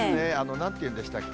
なんていうんでしたっけ？